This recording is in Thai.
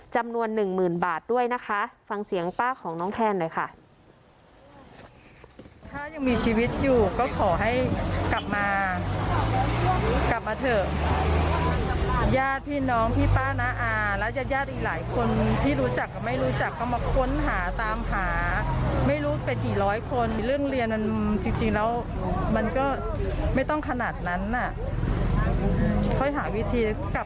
จำนวนหนึ่งหมื่นบาทด้วยนะคะฟังเสียงป้าของน้องแทนหน่อยค่ะ